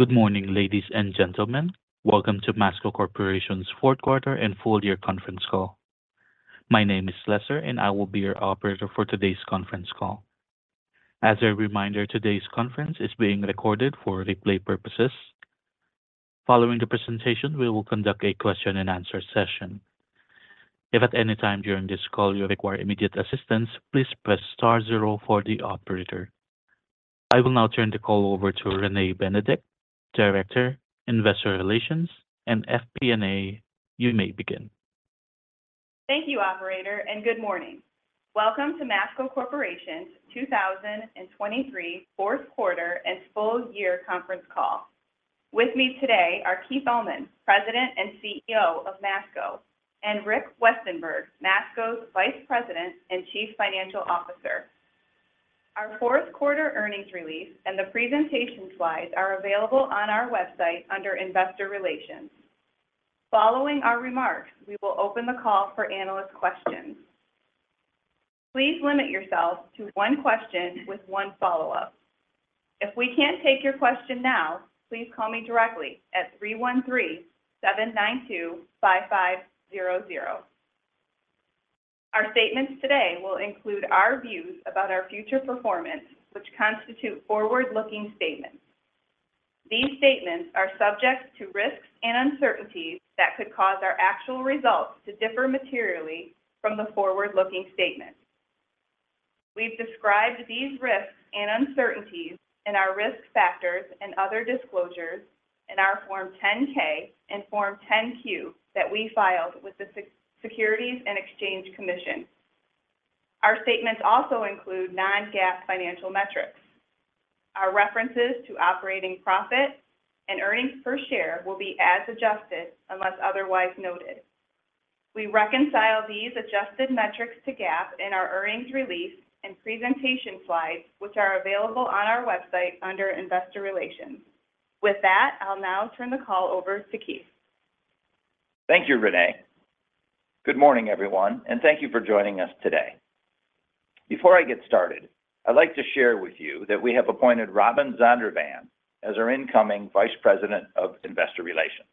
Good morning, ladies and gentlemen. Welcome to Masco Corporation's fourth quarter and full year conference call. My name is Lesser, and I will be your operator for today's conference call. As a reminder, today's conference is being recorded for replay purposes. Following the presentation, we will conduct a question and answer session. If at any time during this call you require immediate assistance, please press star zero for the operator. I will now turn the call over to Renee Benedict, Director, Investor Relations, and FP&A. You may begin. Thank you, operator, and good morning. Welcome to Masco Corporation's 2023 fourth quarter and full year conference call. With me today are Keith Allman, President and CEO of Masco, and Rick Westenberg, Masco's Vice President and Chief Financial Officer. Our fourth quarter earnings release and the presentation slides are available on our website under Investor Relations. Following our remarks, we will open the call for analyst questions. Please limit yourself to one question with one follow-up. If we can't take your question now, please call me directly at 313-792-5500. Our statements today will include our views about our future performance, which constitute forward-looking statements. These statements are subject to risks and uncertainties that could cause our actual results to differ materially from the forward-looking statements. We've described these risks and uncertainties in our risk factors and other disclosures in our Form 10-K and Form 10-Q that we filed with the Securities and Exchange Commission. Our statements also include non-GAAP financial metrics. Our references to operating profit and earnings per share will be as adjusted, unless otherwise noted. We reconcile these adjusted metrics to GAAP in our earnings release and presentation slides, which are available on our website under Investor Relations. With that, I'll now turn the call over to Keith. Thank you, Renee. Good morning, everyone, and thank you for joining us today. Before I get started, I'd like to share with you that we have appointed Robin Zondervan as our incoming Vice President of Investor Relations.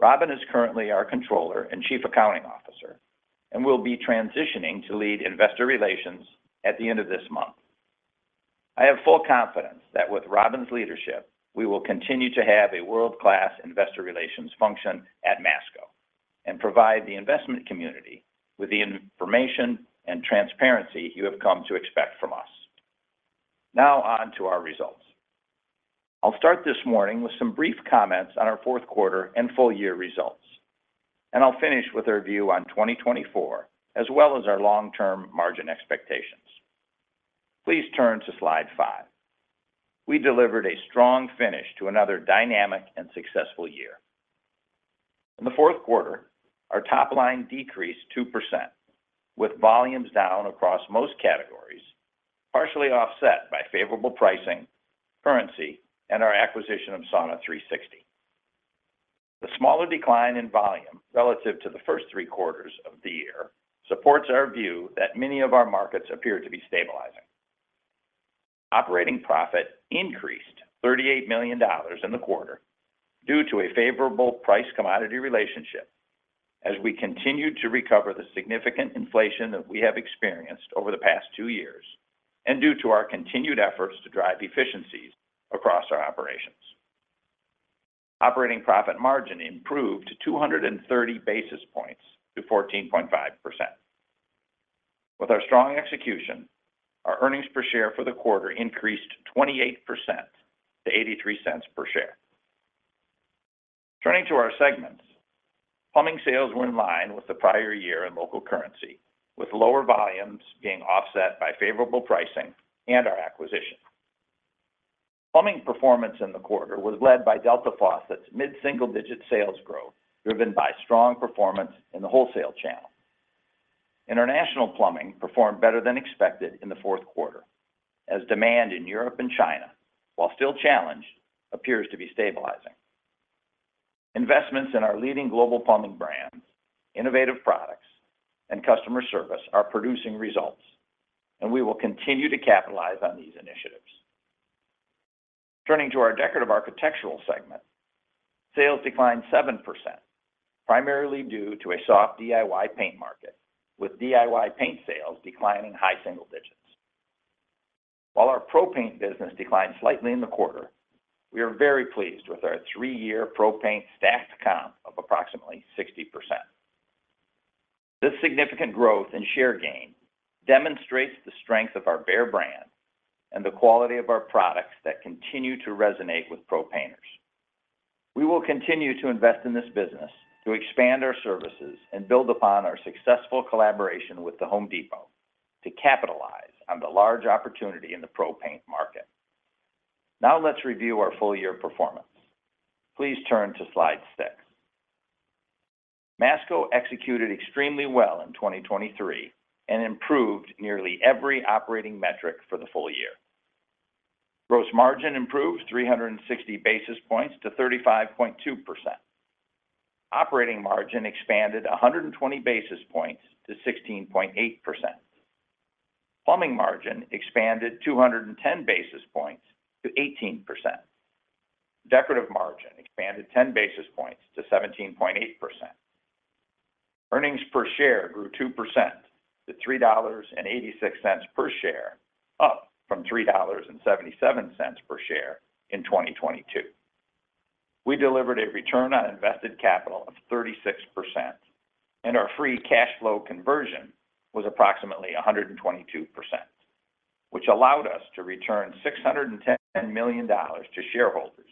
Robin is currently our Controller and Chief Accounting Officer and will be transitioning to lead investor relations at the end of this month. I have full confidence that with Robin's leadership, we will continue to have a world-class investor relations function at Masco and provide the investment community with the information and transparency you have come to expect from us. Now on to our results. I'll start this morning with some brief comments on our fourth quarter and full year results, and I'll finish with a review on 2024, as well as our long-term margin expectations. Please turn to slide five. We delivered a strong finish to another dynamic and successful year. In the fourth quarter, our top line decreased 2%, with volumes down across most categories, partially offset by favorable pricing, currency, and our acquisition of Sauna360. The smaller decline in volume relative to the first three quarters of the year supports our view that many of our markets appear to be stabilizing. Operating profit increased $38 million in the quarter due to a favorable price commodity relationship as we continued to recover the significant inflation that we have experienced over the past two years, and due to our continued efforts to drive efficiencies across our operations. Operating profit margin improved 230 basis points to 14.5%. With our strong execution, our earnings per share for the quarter increased 28% to $0.83 per share. Turning to our segments, plumbing sales were in line with the prior year in local currency, with lower volumes being offset by favorable pricing and our acquisition. Plumbing performance in the quarter was led by Delta Faucet's mid-single-digit sales growth, driven by strong performance in the wholesale channel. International plumbing performed better than expected in the fourth quarter, as demand in Europe and China, while still challenged, appears to be stabilizing. Investments in our leading global plumbing brands, innovative products, and customer service are producing results, and we will continue to capitalize on these initiatives. Turning to our decorative architectural segment, sales declined 7%, primarily due to a soft DIY paint market, with DIY paint sales declining high single digits. While our Pro Paint business declined slightly in the quarter, we are very pleased with our three-year Pro Paint stacked comp of approximately 60%. This significant growth and share gain demonstrates the strength of our Behr brand and the quality of our products that continue to resonate with pro painters. We will continue to invest in this business to expand our services and build upon our successful collaboration with The Home Depot to capitalize on the large opportunity in the pro paint market. Now, let's review our full year performance. Please turn to slide 6. Masco executed extremely well in 2023 and improved nearly every operating metric for the full year. Gross margin improved 360 basis points to 35.2%. Operating margin expanded 120 basis points to 16.8%. Plumbing margin expanded 210 basis points to 18%. Decorative margin expanded 10 basis points to 17.8%. Earnings per share grew 2% to $3.86 per share, up from $3.77 per share in 2022. We delivered a return on invested capital of 36%, and our free cash flow conversion was approximately 122%, which allowed us to return $610 million to shareholders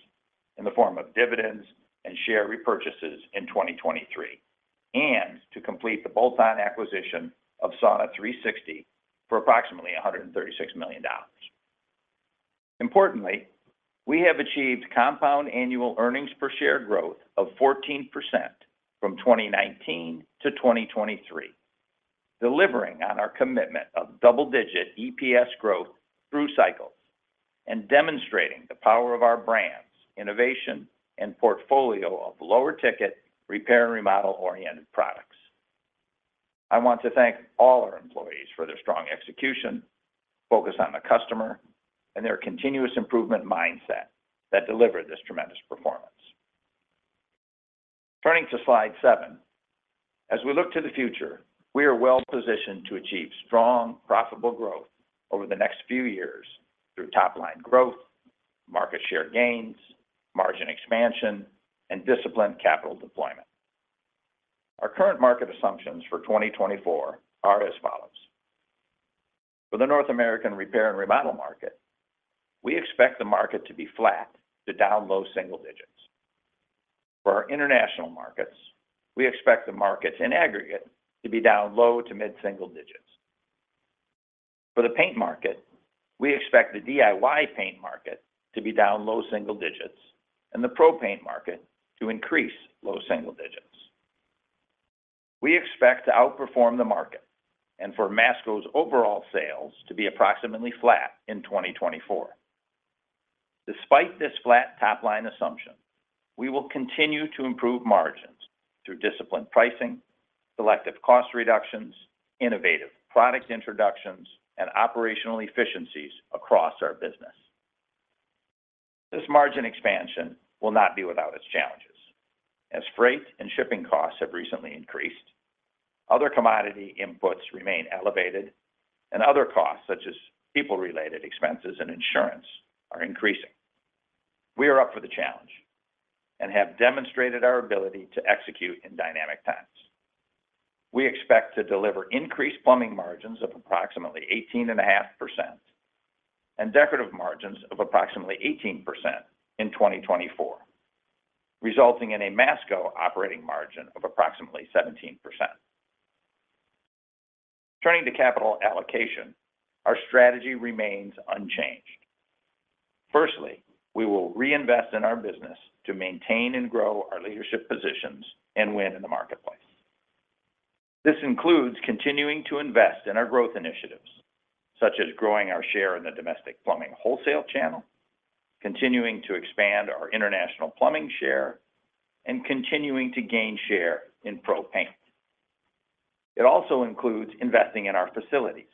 in the form of dividends and share repurchases in 2023, and to complete the bolt-on acquisition of Sauna360 for approximately $136 million. Importantly, we have achieved compound annual earnings per share growth of 14% from 2019 to 2023, delivering on our commitment of double-digit EPS growth through cycles and demonstrating the power of our brands, innovation, and portfolio of lower-ticket repair and remodel-oriented products. I want to thank all our employees for their strong execution, focus on the customer, and their continuous improvement mindset that delivered this tremendous performance. Turning to slide 7. As we look to the future, we are well positioned to achieve strong, profitable growth over the next few years through top-line growth, market share gains, margin expansion, and disciplined capital deployment. Our current market assumptions for 2024 are as follows: For the North American repair and remodel market, we expect the market to be flat to down low single digits. For our international markets, we expect the markets in aggregate to be down low to mid single digits. For the paint market, we expect the DIY paint market to be down low single digits and the Pro Paint market to increase low single digits. We expect to outperform the market and for Masco's overall sales to be approximately flat in 2024. Despite this flat top-line assumption, we will continue to improve margins through disciplined pricing, selective cost reductions, innovative product introductions, and operational efficiencies across our business. This margin expansion will not be without its challenges. As freight and shipping costs have recently increased, other commodity inputs remain elevated, and other costs, such as people-related expenses and insurance, are increasing. We are up for the challenge and have demonstrated our ability to execute in dynamic times. We expect to deliver increased plumbing margins of approximately 18.5%, and decorative margins of approximately 18% in 2024, resulting in a Masco operating margin of approximately 17%. Turning to capital allocation, our strategy remains unchanged. Firstly, we will reinvest in our business to maintain and grow our leadership positions and win in the marketplace. This includes continuing to invest in our growth initiatives, such as growing our share in the domestic plumbing wholesale channel, continuing to expand our international plumbing share, and continuing to gain share in Pro Paint. It also includes investing in our facilities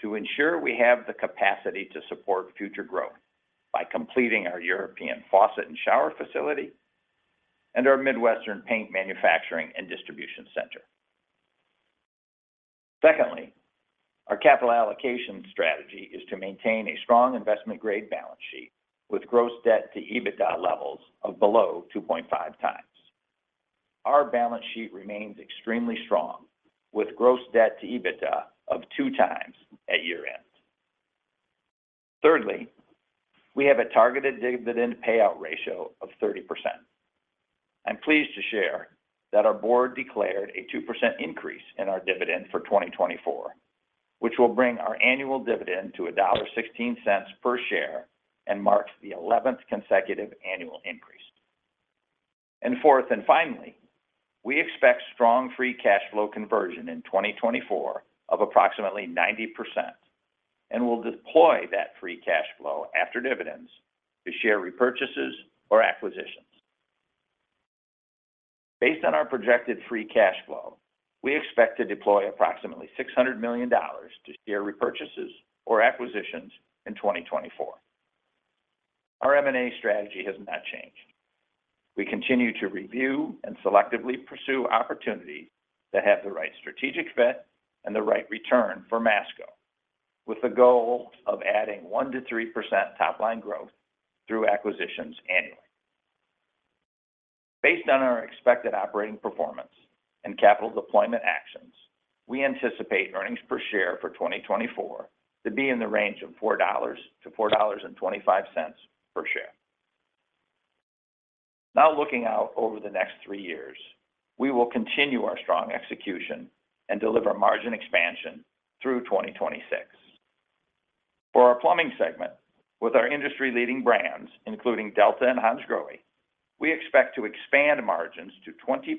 to ensure we have the capacity to support future growth by completing our European faucet and shower facility and our Midwestern paint manufacturing and distribution center. Secondly, our capital allocation strategy is to maintain a strong investment-grade balance sheet with gross debt to EBITDA levels of below 2.5 times. Our balance sheet remains extremely strong, with gross debt to EBITDA of 2 times at year-end. Thirdly, we have a targeted dividend payout ratio of 30%. I'm pleased to share that our board declared a 2% increase in our dividend for 2024, which will bring our annual dividend to $1.16 per share and marks the 11th consecutive annual increase. And fourth, and finally, we expect strong free cash flow conversion in 2024 of approximately 90% and will deploy that free cash flow after dividends to share repurchases or acquisitions. Based on our projected free cash flow, we expect to deploy approximately $600 million to share repurchases or acquisitions in 2024. Our M&A strategy has not changed. We continue to review and selectively pursue opportunities that have the right strategic fit and the right return for Masco, with the goal of adding 1% to 3% top-line growth through acquisitions annually. Based on our expected operating performance and capital deployment actions, we anticipate earnings per share for 2024 to be in the range of $4 to 4.25 per share. Now, looking out over the next three years, we will continue our strong execution and deliver margin expansion through 2026. For our plumbing segment, with our industry-leading brands, including Delta and Hansgrohe, we expect to expand margins to 20%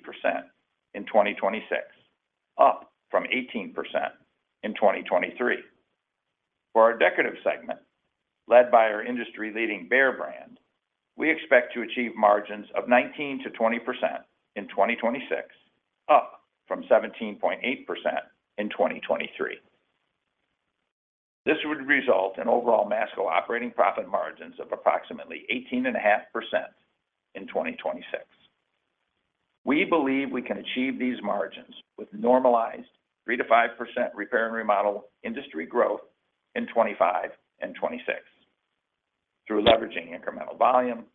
in 2026, up from 18% in 2023.... For our decorative segment, led by our industry-leading Behr brand, we expect to achieve margins of 19% to 20% in 2026, up from 17.8% in 2023. This would result in overall Masco operating profit margins of approximately 18.5% in 2026. We believe we can achieve these margins with normalized 3% to 5% repair and remodel industry growth in 2025 and 2026, through leveraging incremental volume,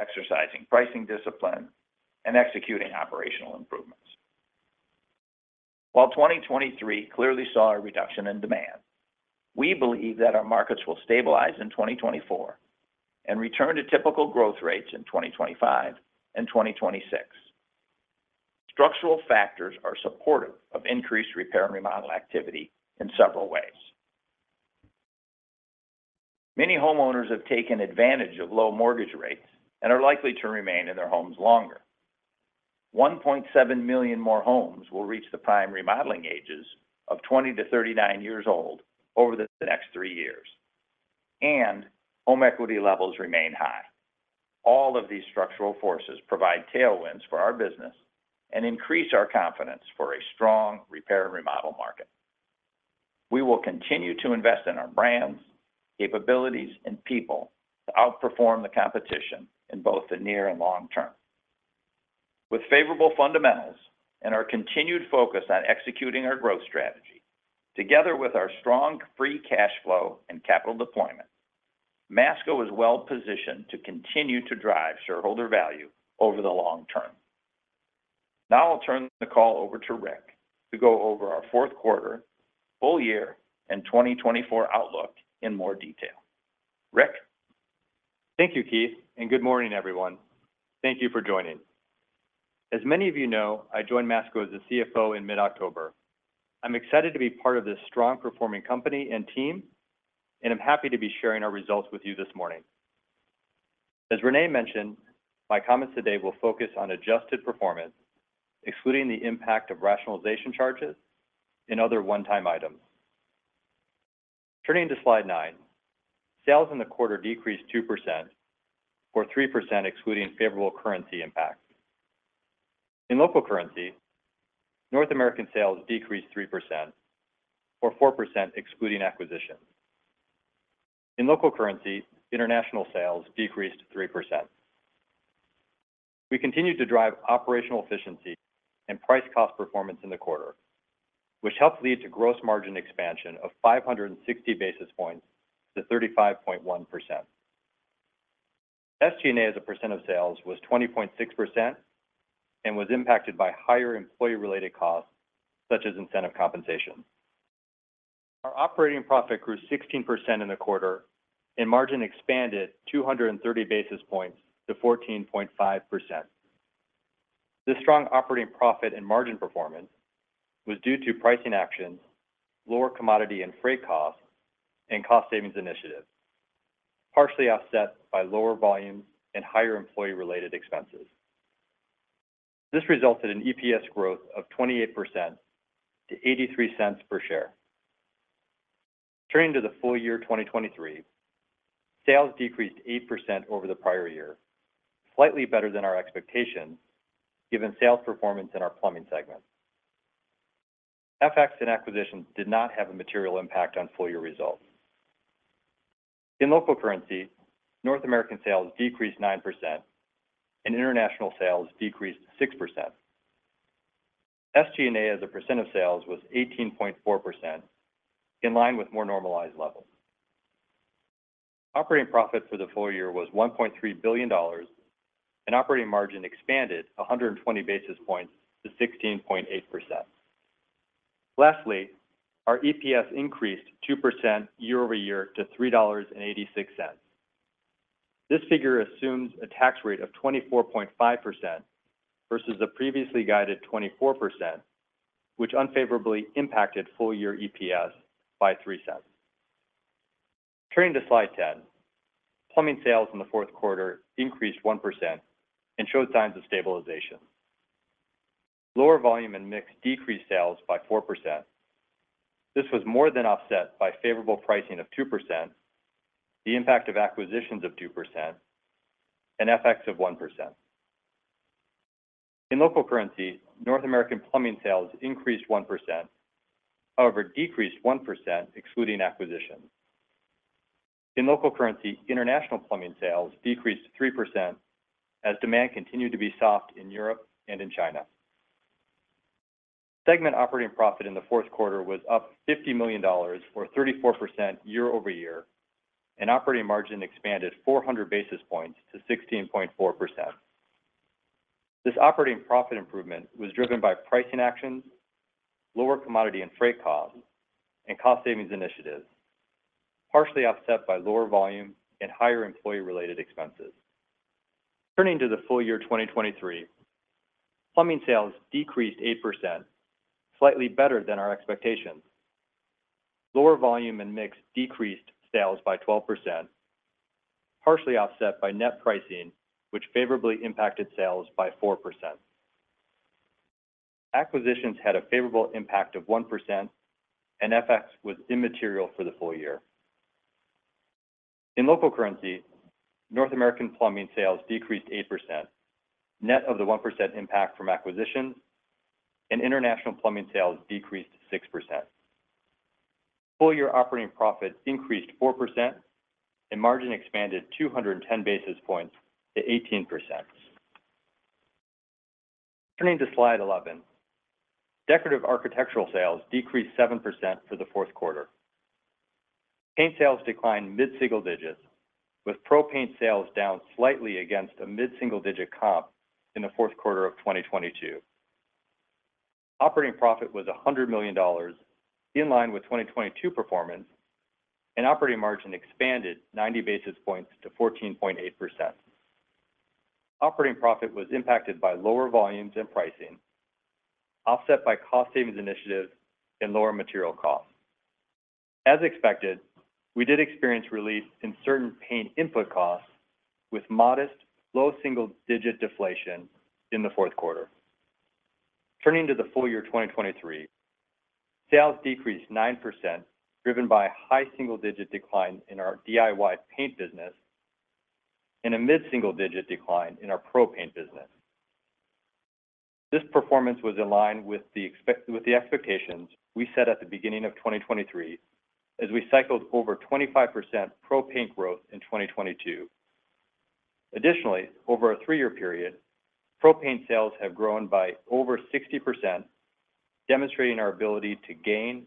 exercising pricing discipline, and executing operational improvements. While 2023 clearly saw a reduction in demand, we believe that our markets will stabilize in 2024 and return to typical growth rates in 2025 and 2026. Structural factors are supportive of increased repair and remodel activity in several ways. Many homeowners have taken advantage of low mortgage rates and are likely to remain in their homes longer. 1.7 million more homes will reach the prime remodeling ages of 20 to 39 years old over the next 3 years, and home equity levels remain high. All of these structural forces provide tailwinds for our business and increase our confidence for a strong repair and remodel market. We will continue to invest in our brands, capabilities, and people to outperform the competition in both the near and long term. With favorable fundamentals and our continued focus on executing our growth strategy, together with our strong free cash flow and capital deployment, Masco is well positioned to continue to drive shareholder value over the long term. Now I'll turn the call over to Rick to go over our fourth quarter, full year, and 2024 outlook in more detail. Rick? Thank you, Keith, and good morning, everyone. Thank you for joining. As many of you know, I joined Masco as a CFO in mid-October. I'm excited to be part of this strong-performing company and team, and I'm happy to be sharing our results with you this morning. As Renee mentioned, my comments today will focus on adjusted performance, excluding the impact of rationalization charges and other one-time items. Turning to slide 9, sales in the quarter decreased 2% or 3%, excluding favorable currency impact. In local currency, North American sales decreased 3% or 4%, excluding acquisitions. In local currency, international sales decreased 3%. We continued to drive operational efficiency and price-cost performance in the quarter, which helped lead to gross margin expansion of 560 basis points to 35.1%. SG&A as a percent of sales was 20.6% and was impacted by higher employee-related costs, such as incentive compensation. Our operating profit grew 16% in the quarter, and margin expanded 230 basis points to 14.5%. This strong operating profit and margin performance was due to pricing actions, lower commodity and freight costs, and cost savings initiatives, partially offset by lower volumes and higher employee-related expenses. This resulted in EPS growth of 28% to $0.83 per share. Turning to the full year 2023, sales decreased 8% over the prior year, slightly better than our expectations, given sales performance in our plumbing segment. FX and acquisitions did not have a material impact on full-year results. In local currency, North American sales decreased 9%, and international sales decreased 6%. SG&A as a percent of sales was 18.4%, in line with more normalized levels. Operating profit for the full year was $1.3 billion, and operating margin expanded 120 basis points to 16.8%. Lastly, our EPS increased 2% year-over-year to $3.86. This figure assumes a tax rate of 24.5% versus the previously guided 24%, which unfavorably impacted full year EPS by $0.03. Turning to slide 10, plumbing sales in the fourth quarter increased 1% and showed signs of stabilization. Lower volume and mix decreased sales by 4%. This was more than offset by favorable pricing of 2%, the impact of acquisitions of 2%, and FX of 1%. In local currency, North American plumbing sales increased 1%. However, decreased 1% excluding acquisitions. In local currency, international plumbing sales decreased 3% as demand continued to be soft in Europe and in China. Segment operating profit in the fourth quarter was up $50 million or 34% year-over-year, and operating margin expanded 400 basis points to 16.4%. This operating profit improvement was driven by pricing actions, lower commodity and freight costs, and cost savings initiatives, partially offset by lower volume and higher employee-related expenses. Turning to the full year 2023, plumbing sales decreased 8%, slightly better than our expectations. Lower volume and mix decreased sales by 12%, partially offset by net pricing, which favorably impacted sales by 4%. Acquisitions had a favorable impact of 1%, and FX was immaterial for the full year. In local currency, North American plumbing sales decreased 8%, net of the 1% impact from acquisitions, and international plumbing sales decreased 6%. Full year operating profit increased 4%, and margin expanded 210 basis points to 18%. Turning to slide 11, decorative architectural sales decreased 7% for the fourth quarter. Paint sales declined mid-single digits, with pro paint sales down slightly against a mid-single digit comp in the fourth quarter of 2022. Operating profit was $100 million, in line with 2022 performance, and operating margin expanded 90 basis points to 14.8%. Operating profit was impacted by lower volumes and pricing, offset by cost savings initiatives and lower material costs. As expected, we did experience relief in certain paint input costs with modest low single-digit deflation in the fourth quarter. Turning to the full year, 2023, sales decreased 9%, driven by a high single-digit decline in our DIY paint business and a mid-single digit decline in our pro paint business. This performance was in line with the expectations we set at the beginning of 2023, as we cycled over 25% pro paint growth in 2022. Additionally, over a 3-year period, pro paint sales have grown by over 60%, demonstrating our ability to gain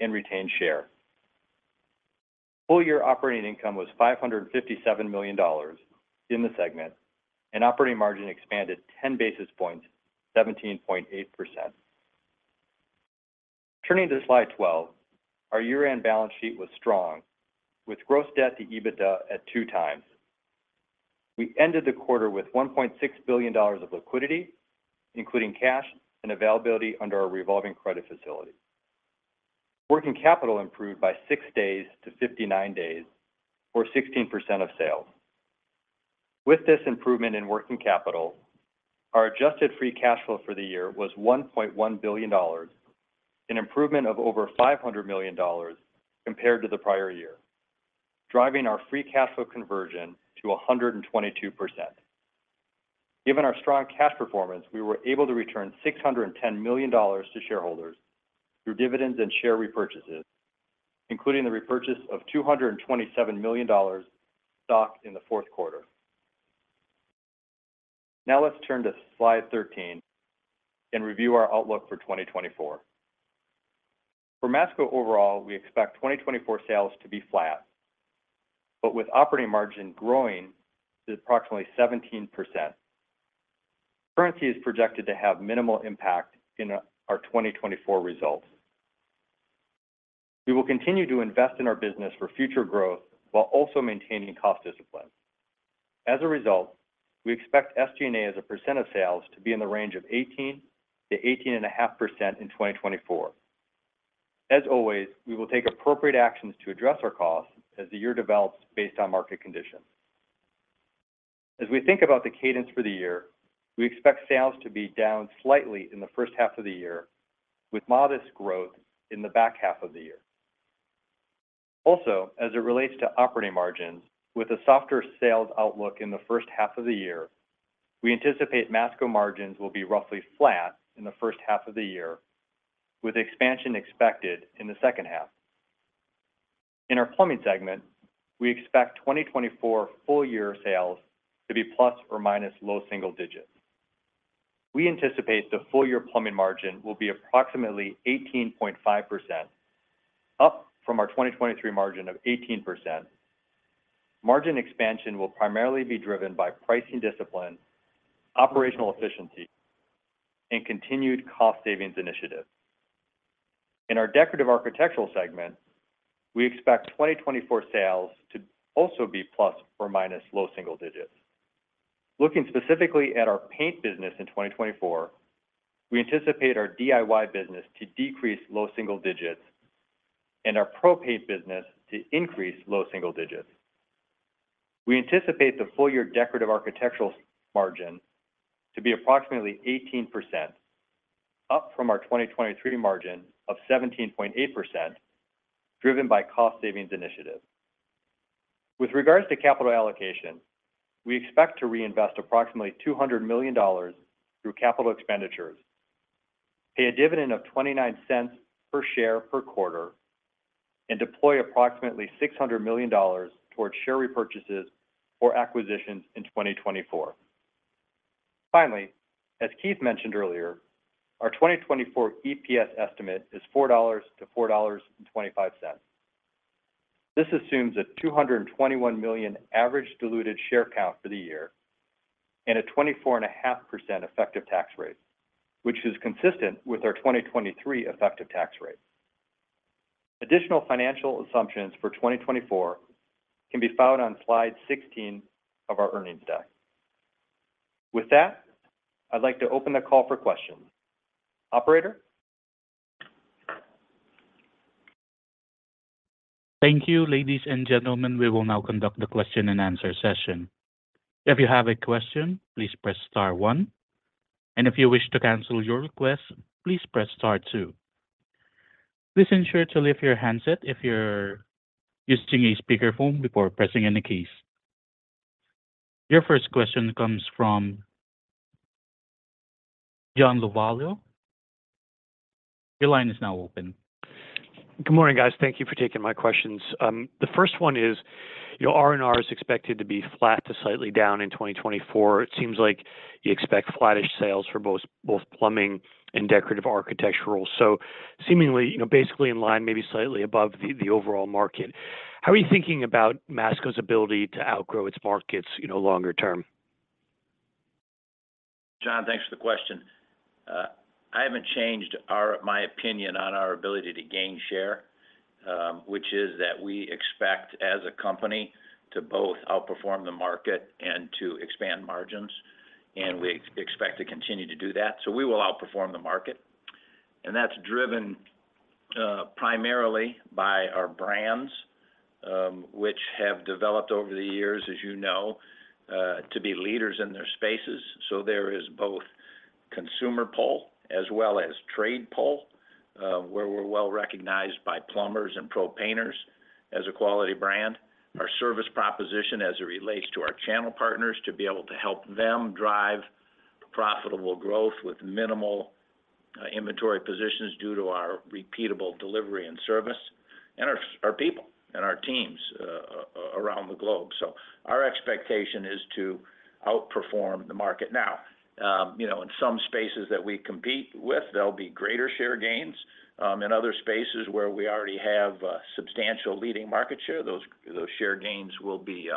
and retain share. Full year operating income was $557 million in the segment, and operating margin expanded 10 basis points, 17.8%. Turning to slide 12, our year-end balance sheet was strong, with gross debt to EBITDA at 2 times. We ended the quarter with $1.6 billion of liquidity, including cash and availability under our revolving credit facility. Working capital improved by 6 days to 59 days, or 16% of sales. With this improvement in working capital, our adjusted free cash flow for the year was $1.1 billion, an improvement of over $500 million compared to the prior year, driving our free cash flow conversion to 122%. Given our strong cash performance, we were able to return $610 million to shareholders through dividends and share repurchases, including the repurchase of $227 million stock in the fourth quarter. Now, let's turn to slide 13 and review our outlook for 2024. For Masco overall, we expect 2024 sales to be flat, but with operating margin growing to approximately 17%. Currency is projected to have minimal impact in our 2024 results. We will continue to invest in our business for future growth while also maintaining cost discipline. As a result, we expect SG&A as a percent of sales to be in the range of 18% to 18.5% in 2024. As always, we will take appropriate actions to address our costs as the year develops based on market conditions. As we think about the cadence for the year, we expect sales to be down slightly in the first half of the year, with modest growth in the back half of the year. Also, as it relates to operating margins, with a softer sales outlook in the first half of the year, we anticipate Masco margins will be roughly flat in the first half of the year, with expansion expected in the second half. In our plumbing segment, we expect 2024 full year sales to be ± low single digits. We anticipate the full year plumbing margin will be approximately 18.5%, up from our 2023 margin of 18%. Margin expansion will primarily be driven by pricing discipline, operational efficiency, and continued cost savings initiatives. In our decorative architectural segment, we expect 2024 sales to also be ± low single digits. Looking specifically at our paint business in 2024, we anticipate our DIY business to decrease low single digits and our pro paint business to increase low single digits. We anticipate the full year decorative architectural margin to be approximately 18%, up from our 2023 margin of 17.8%, driven by cost savings initiatives. With regards to capital allocation, we expect to reinvest approximately $200 million through capital expenditures, pay a dividend of $0.29 per share per quarter, and deploy approximately $600 million towards share repurchases or acquisitions in 2024. Finally, as Keith mentioned earlier, our 2024 EPS estimate is $4 to $4.25. This assumes a 221 million average diluted share count for the year and a 24.5% effective tax rate, which is consistent with our 2023 effective tax rate. Additional financial assumptions for 2024 can be found on slide 16 of our earnings deck. With that, I'd like to open the call for questions. Operator?... Thank you, ladies and gentlemen. We will now conduct the question and answer session. If you have a question, please press star one, and if you wish to cancel your request, please press star two. Please ensure to leave your handset if you're using a speakerphone before pressing any keys. Your first question comes from John Lovallo. Your line is now open. Good morning, guys. Thank you for taking my questions. The first one is, your R&R is expected to be flat to slightly down in 2024. It seems like you expect flattish sales for both plumbing and decorative architectural. So seemingly, you know, basically in line, maybe slightly above the overall market. How are you thinking about Masco's ability to outgrow its markets, you know, longer term? John, thanks for the question. I haven't changed my opinion on our ability to gain share, which is that we expect, as a company, to both outperform the market and to expand margins, and we expect to continue to do that. So we will outperform the market, and that's driven primarily by our brands, which have developed over the years, as you know, to be leaders in their spaces. So there is both consumer pull as well as trade pull, where we're well-recognized by plumbers and pro painters as a quality brand. Our service proposition as it relates to our channel partners, to be able to help them drive profitable growth with minimal inventory positions due to our repeatable delivery and service, and our people and our teams around the globe. So our expectation is to outperform the market. Now, you know, in some spaces that we compete with, there'll be greater share gains. In other spaces, where we already have substantial leading market share, those share gains will be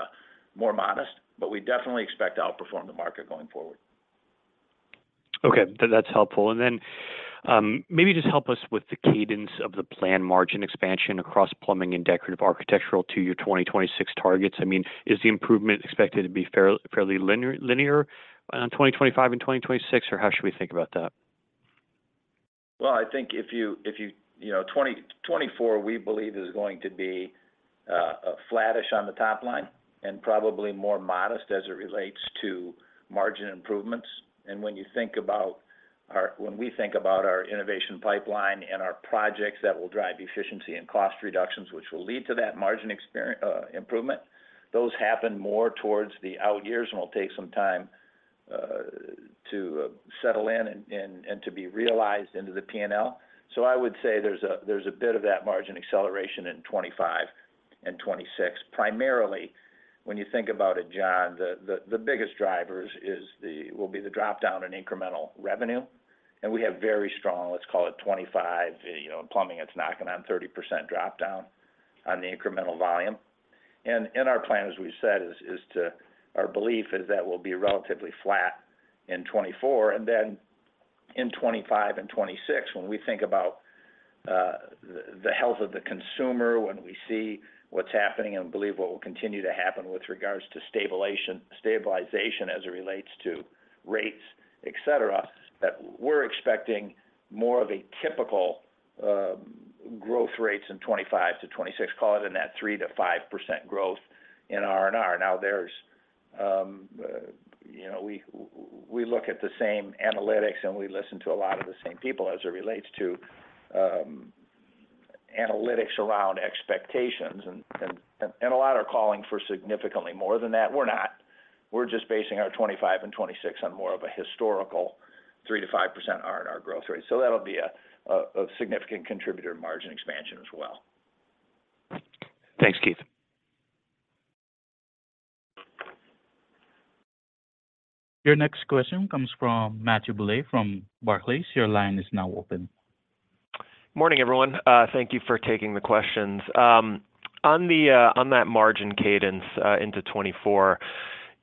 more modest, but we definitely expect to outperform the market going forward. Okay, that's helpful. And then, maybe just help us with the cadence of the planned margin expansion across plumbing and decorative architectural to your 2026 targets. I mean, is the improvement expected to be fairly linear on 2025 and 2026, or how should we think about that? Well, I think—you know, 2024, we believe, is going to be flattish on the top line and probably more modest as it relates to margin improvements. And when we think about our innovation pipeline and our projects that will drive efficiency and cost reductions, which will lead to that margin improvement, those happen more towards the out years and will take some time to settle in and to be realized into the P&L. So I would say there's a bit of that margin acceleration in 2025 and 2026. Primarily, when you think about it, John, the biggest drivers is the will be the drop down in incremental revenue, and we have very strong, let's call it 25, you know, in plumbing, it's knocking on 30% drop down on the incremental volume. And in our plan, as we've said, is to our belief is that we'll be relatively flat in 2024, and then in 2025 and 2026, when we think about the health of the consumer, when we see what's happening and believe what will continue to happen with regards to stabilization as it relates to rates, et cetera, that we're expecting more of a typical growth rates in 2025 to 2026, call it in that 3%-5% growth in R&R. Now, there's you know... We look at the same analytics, and we listen to a lot of the same people as it relates to analytics around expectations, and a lot are calling for significantly more than that. We're not. We're just basing our 25 and 26 on more of a historical 3% to 5% R&R growth rate. So that'll be a significant contributor to margin expansion as well. Thanks, Keith. Your next question comes from Matthew Bouley, from Barclays. Your line is now open. Morning, everyone. Thank you for taking the questions. On the margin cadence into 2024,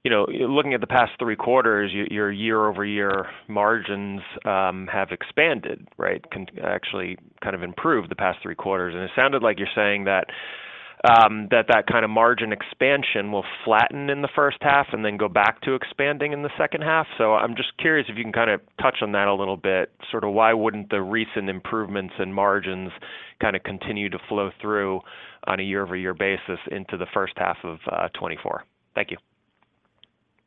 you know, looking at the past three quarters, your year-over-year margins have expanded, right? Actually, kind of improved the past three quarters. And it sounded like you're saying that that kind of margin expansion will flatten in the first half and then go back to expanding in the second half. So I'm just curious if you can kind of touch on that a little bit. Sort of, why wouldn't the recent improvements in margins kind of continue to flow through on a year-over-year basis into the first half of 2024? Thank you.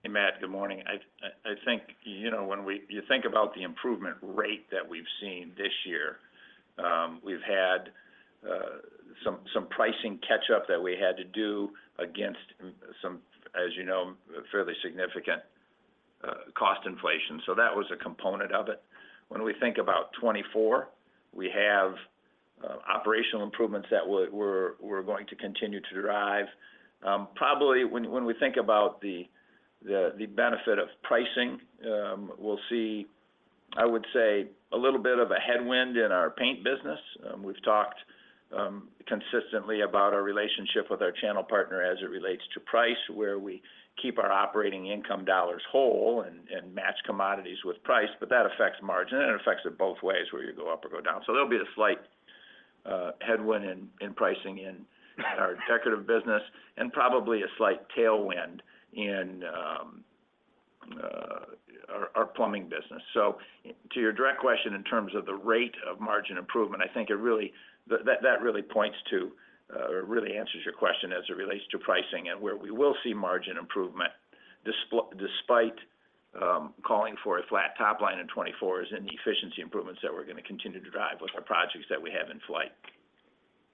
Hey, Matt, good morning. I think, you know, when we think about the improvement rate that we've seen this year, we've had some pricing catch-up that we had to do against some, as you know, fairly significant cost inflation. So that was a component of it. When we think about 2024, we have operational improvements that we're going to continue to drive. Probably when we think about the benefit of pricing, we'll see, I would say, a little bit of a headwind in our paint business. We've talked consistently about our relationship with our channel partner as it relates to price, where we keep our operating income dollars whole and match commodities with price, but that affects margin, and it affects it both ways, whether you go up or go down. So there'll be a slight headwind in pricing in our decorative business and probably a slight tailwind in our plumbing business. So to your direct question, in terms of the rate of margin improvement, I think it really that really points to or really answers your question as it relates to pricing and where we will see margin improvement. Despite calling for a flat top line in 2024 is in the efficiency improvements that we're gonna continue to drive with our projects that we have in flight.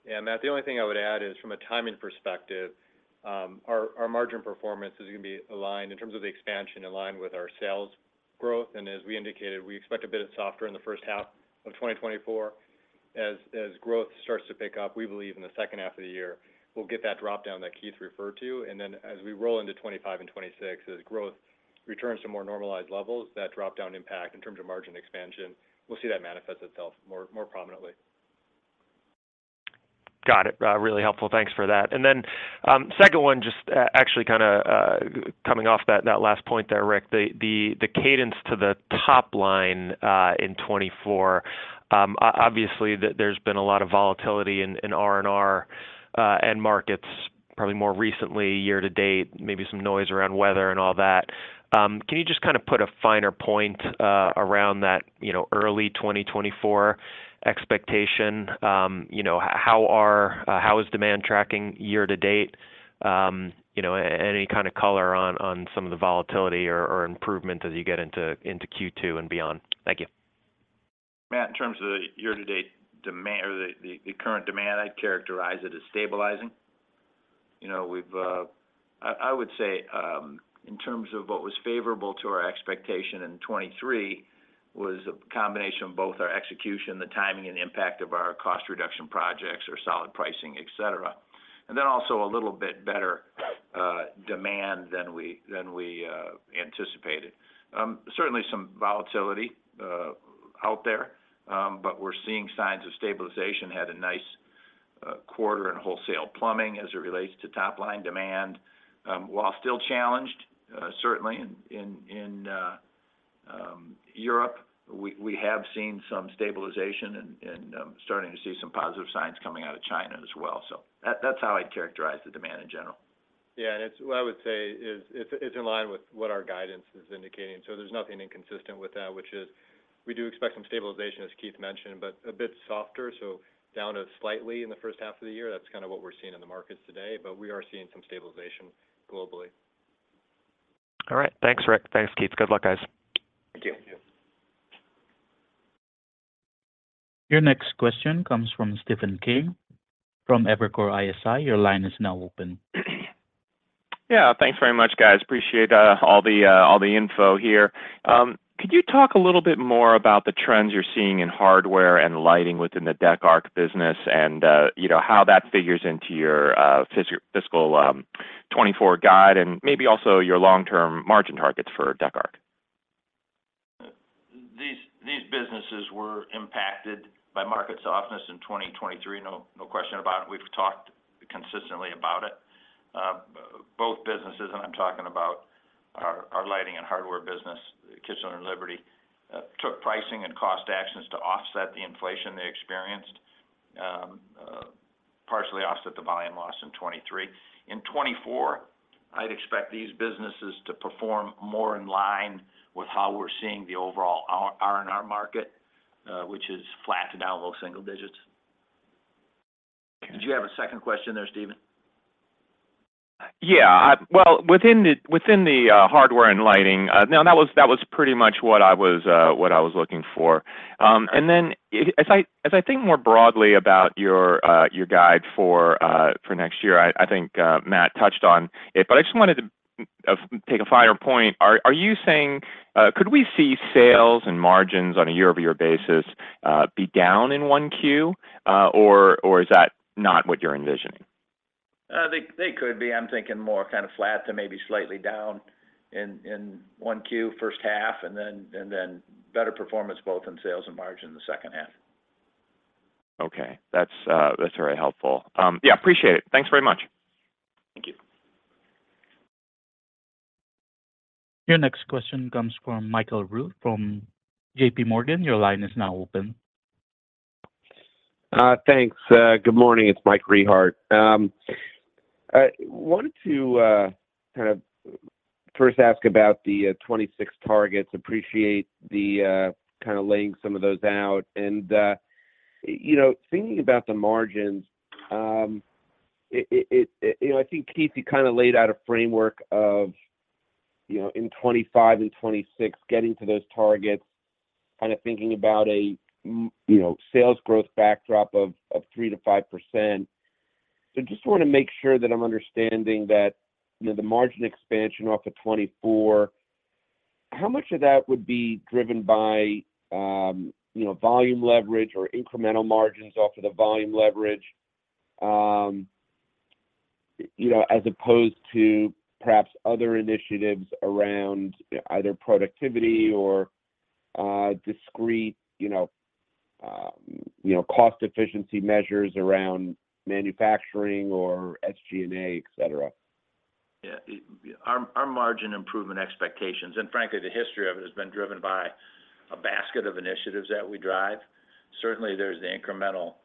Yeah, Matt, the only thing I would add is, from a timing perspective, our margin performance is gonna be aligned in terms of the expansion, aligned with our sales growth. And as we indicated, we expect a bit of softer in the first half of 2024. As growth starts to pick up, we believe in the second half of the year, we'll get that drop-down that Keith referred to. And then as we roll into 2025 and 2026, as growth returns to more normalized levels, that drop-down impact in terms of margin expansion, we'll see that manifest itself more prominently. Got it. Really helpful. Thanks for that. And then, second one, just, actually kinda, coming off that last point there, Rick, the cadence to the top line in 2024, obviously, there's been a lot of volatility in R&R end markets, probably more recently, year to date, maybe some noise around weather and all that. Can you just kind of put a finer point around that, you know, early 2024 expectation? You know, how is demand tracking year to date? You know, any kind of color on some of the volatility or improvement as you get into Q2 and beyond? Thank you. Matt, in terms of the year-to-date demand or the current demand, I'd characterize it as stabilizing. You know, we've I would say, in terms of what was favorable to our expectation in 2023, was a combination of both our execution, the timing and impact of our cost reduction projects or solid pricing, et cetera. And then also a little bit better demand than we anticipated. Certainly some volatility out there, but we're seeing signs of stabilization. Had a nice quarter in wholesale plumbing as it relates to top-line demand. While still challenged, certainly in Europe, we have seen some stabilization and starting to see some positive signs coming out of China as well. So that's how I'd characterize the demand in general. Yeah, and it's what I would say is it's, it's in line with what our guidance is indicating. So there's nothing inconsistent with that, which is we do expect some stabilization, as Keith mentioned, but a bit softer, so down to slightly in the first half of the year. That's kind of what we're seeing in the markets today, but we are seeing some stabilization globally. All right. Thanks, Rick. Thanks, Keith. Good luck, guys. Thank you. Thank you. Your next question comes from Stephen Kim from Evercore ISI. Your line is now open. Yeah. Thanks very much, guys. Appreciate all the info here. Could you talk a little bit more about the trends you're seeing in hardware and lighting within the Dec Arch business and, you know, how that figures into your fiscal 2024 guide, and maybe also your long-term margin targets for Dec Arch? These businesses were impacted by market softness in 2023. No, no question about it. We've talked consistently about it. Both businesses, and I'm talking about our, our lighting and hardware business, Kichler and Liberty, took pricing and cost actions to offset the inflation they experienced, partially offset the volume loss in 2023. In 2024, I'd expect these businesses to perform more in line with how we're seeing the overall our R&R market, which is flat to down low single digits. Did you have a second question there, Stephen? Yeah, well, within the hardware and lighting, now, that was pretty much what I was looking for. And then as I think more broadly about your guide for next year, I think Matt touched on it, but I just wanted to take a finer point. Are you saying could we see sales and margins on a year-over-year basis be down in one Q, or is that not what you're envisioning? They, they could be. I'm thinking more kind of flat to maybe slightly down in one Q, first half, and then better performance both in sales and margin in the second half. Okay. That's very helpful. Yeah, appreciate it. Thanks very much. Thank you. Your next question comes from Michael Rehaut, from JPMorgan. Your line is now open. Thanks. Good morning, it's Michael Rehaut. I wanted to kind of first ask about the 2026 targets. Appreciate the kind of laying some of those out. You know, thinking about the margins, you know, I think, Keith, you kind of laid out a framework of, you know, in 2025 and 2026, getting to those targets, kind of thinking about, you know, sales growth backdrop of 3% to 5%. Just wanna make sure that I'm understanding that, you know, the margin expansion off of 2024, how much of that would be driven by, you know, volume leverage or incremental margins off of the volume leverage, you know, as opposed to perhaps other initiatives around either productivity or, discrete, you know, cost efficiency measures around manufacturing or SG&A, et cetera? Yeah. Our margin improvement expectations, and frankly, the history of it has been driven by a basket of initiatives that we drive. Certainly, there's the incremental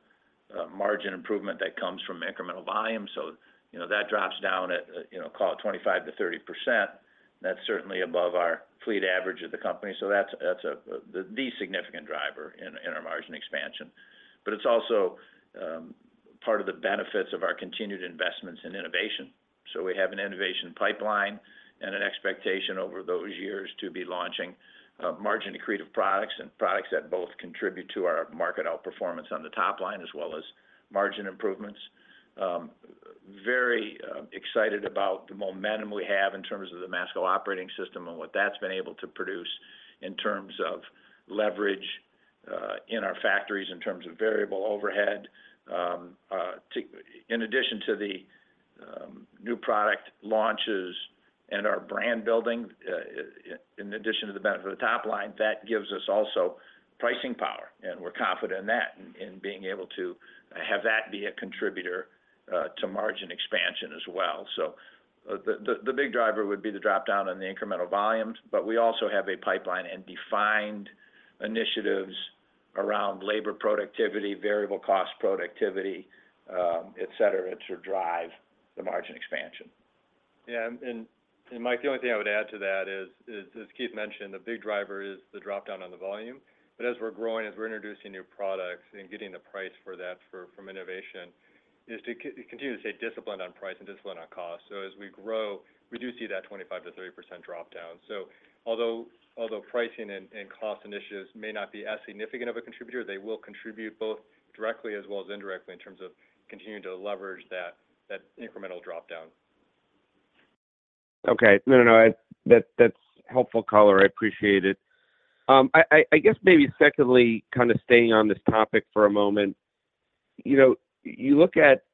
margin improvement that comes from incremental volume, so, you know, that drops down at, you know, call it 25% to 30%. That's certainly above our fleet average of the company. So that's the significant driver in our margin expansion. But it's also part of the benefits of our continued investments in innovation. So we have an innovation pipeline and an expectation over those years to be launching margin-accretive products and products that both contribute to our market outperformance on the top line, as well as margin improvements. Very excited about the momentum we have in terms of the Masco Operating System and what that's been able to produce in terms of leverage in our factories, in terms of variable overhead. To in addition to the new product launches and our brand building, in addition to the benefit of the top line, that gives us also pricing power, and we're confident in that, in being able to have that be a contributor to margin expansion as well. So the big driver would be the drop-down on the incremental volumes, but we also have a pipeline and defined initiatives around labor productivity, variable cost productivity, et cetera, to drive the margin expansion. Yeah, and Mike, the only thing I would add to that is as Keith mentioned, the big driver is the drop-down on the volume. But as we're growing, as we're introducing new products and getting the price for that from innovation, is to continue to stay disciplined on price and disciplined on cost. So as we grow, we do see that 25% to 30% drop-down. So although pricing and cost initiatives may not be as significant of a contributor, they will contribute both directly as well as indirectly in terms of continuing to leverage that incremental drop-down. Okay. No, no, no, that, that's helpful color. I appreciate it. I, I guess maybe secondly, kind of staying on this topic for a moment, you know, you look at,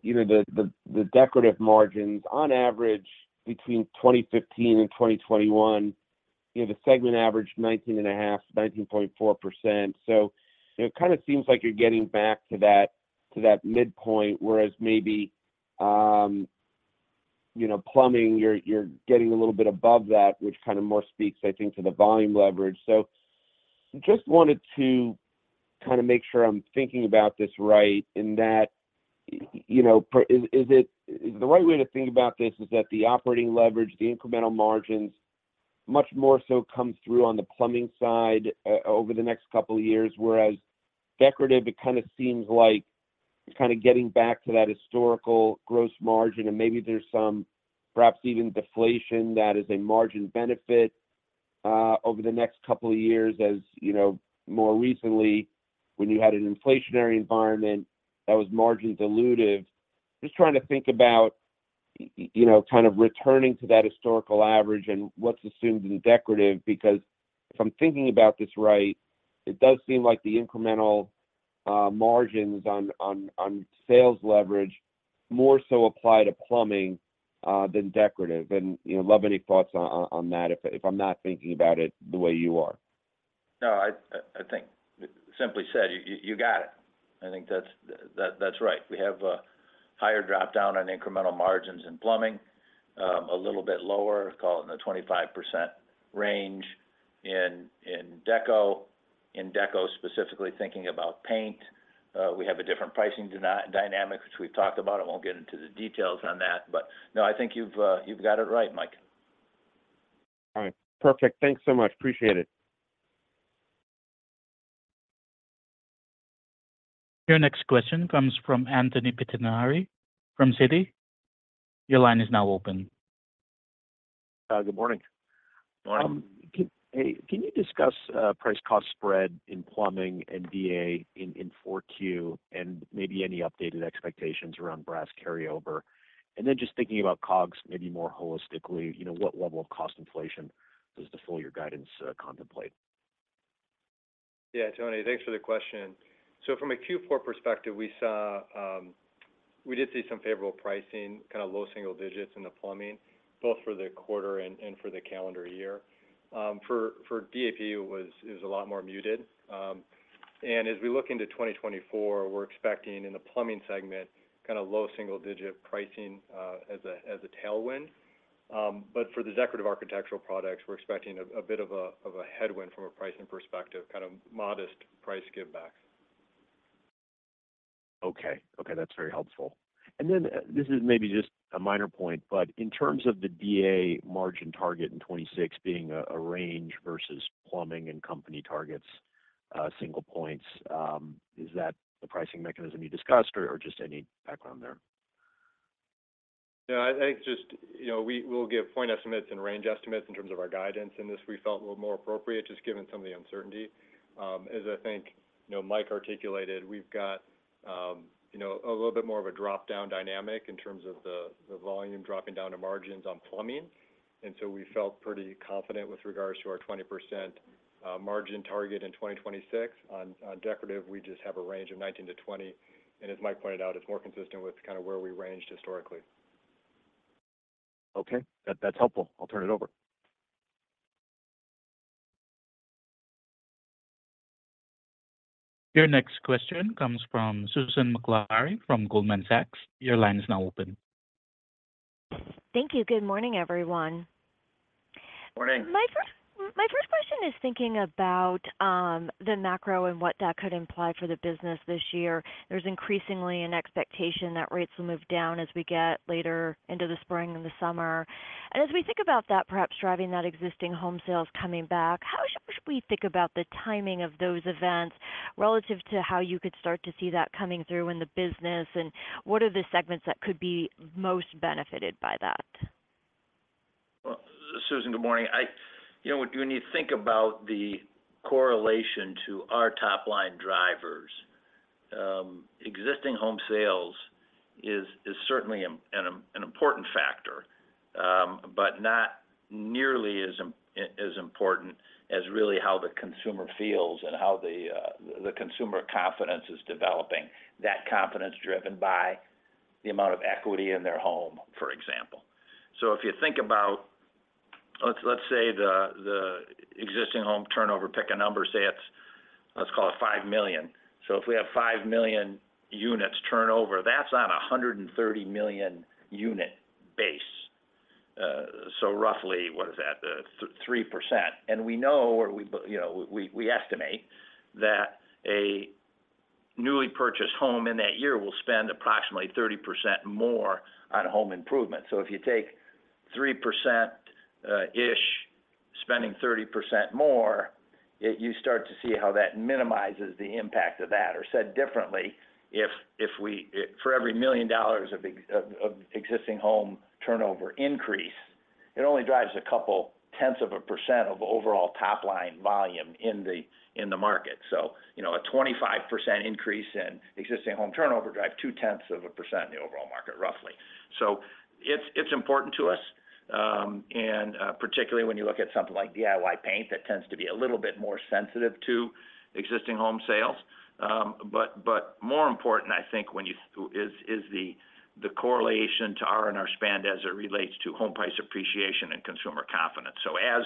you know, the decorative margins on average between 2015 and 2021, you know, the segment averaged 19.5, 19.4%. So it kind of seems like you're getting back to that, to that midpoint, whereas maybe, you know, plumbing, you're, you're getting a little bit above that, which kind of more speaks, I think, to the volume leverage. So just wanted to kind of make sure I'm thinking about this right, in that, you know, is the right way to think about this is that the operating leverage, the incremental margins, much more so come through on the plumbing side, over the next couple of years, whereas decorative, it kind of seems like kind of getting back to that historical gross margin, and maybe there's some perhaps even deflation that is a margin benefit, over the next couple of years, as, you know, more recently, when you had an inflationary environment that was margin dilutive. Just trying to think about, you know, kind of returning to that historical average and what's assumed in decorative, because if I'm thinking about this right, it does seem like the incremental, margins on sales leverage more so apply to plumbing, than decorative. You know, love any thoughts on that, if I'm not thinking about it the way you are. No, I think simply said, you got it. I think that's right. We have a higher drop-down on incremental margins in plumbing, a little bit lower, call it in the 25% range in deco. In deco, specifically thinking about paint, we have a different pricing dynamic, which we've talked about. I won't get into the details on that, but no, I think you've got it right, Mike. All right. Perfect. Thanks so much. Appreciate it. Your next question comes from Anthony Pettinari from Citi. Your line is now open. Good morning. Morning. Hey, can you discuss price cost spread in plumbing and DA in four Q and maybe any updated expectations around brass carryover? And then just thinking about COGS maybe more holistically, you know, what level of cost inflation does the full year guidance contemplate? Yeah, Tony, thanks for the question. So from a Q4 perspective, we saw, we did see some favorable pricing, kind of low single digits in the plumbing, both for the quarter and for the calendar year. For DAP, it was a lot more muted. And as we look into 2024, we're expecting in the plumbing segment, kind of low single digit pricing, as a tailwind. But for the decorative architectural products, we're expecting a bit of a headwind from a pricing perspective, kind of modest price give back. Okay. Okay, that's very helpful. And then this is maybe just a minor point, but in terms of the DA margin target in 2026 being a range versus plumbing and company targets, single points, is that the pricing mechanism you discussed or just any background there? Yeah, I think just, you know, we'll give point estimates and range estimates in terms of our guidance, and this we felt a little more appropriate, just given some of the uncertainty. As I think, you know, Mike articulated, we've got, you know, a little bit more of a drop-down dynamic in terms of the volume dropping down to margins on plumbing. And so we felt pretty confident with regards to our 20% margin target in 2026. On decorative, we just have a range of 19% to 20%, and as Mike pointed out, it's more consistent with kind of where we ranged historically. Okay. That, that's helpful. I'll turn it over. Your next question comes from Susan Maklari from Goldman Sachs. Your line is now open. Thank you. Good morning, everyone. Good morning. My first question is thinking about the macro and what that could imply for the business this year. There's increasingly an expectation that rates will move down as we get later into the spring and the summer. And as we think about that, perhaps driving that existing home sales coming back, how should we think about the timing of those events relative to how you could start to see that coming through in the business, and what are the segments that could be most benefited by that? Well, Susan, good morning. You know, when you think about the correlation to our top-line drivers, existing home sales is certainly an important factor, but not nearly as important as really how the consumer feels and how the consumer confidence is developing. That confidence driven by the amount of equity in their home, for example. So if you think about—let's say the existing home turnover, pick a number, say it's, let's call it 5 million. So if we have 5 million units turnover, that's on a 130 million unit base. So roughly, what is that? Three percent. And we know, you know, we estimate that a newly purchased home in that year will spend approximately 30% more on home improvement. So if you take 3%, ish, spending 30% more, you start to see how that minimizes the impact of that, or said differently, for every $1 million of existing home turnover increase, it only drives a couple tenths of a % of overall top-line volume in the market. So, you know, a 25% increase in existing home turnover drive two tenths of a % in the overall market, roughly. So it's important to us, and particularly when you look at something like DIY paint, that tends to be a little bit more sensitive to existing home sales. But more important, I think, is the correlation to R&R spend as it relates to home price appreciation and consumer confidence. So as